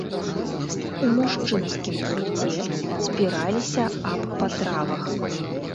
У мужчынскім гурце спіраліся аб патравах.